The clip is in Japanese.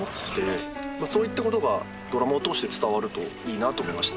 そういったことがドラマを通して伝わるといいなと思いました。